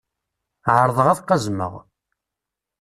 Ԑerḍeɣ ad qazmeɣ.